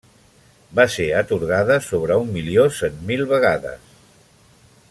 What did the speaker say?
Va ser atorgada sobre un milió cent mil vegades.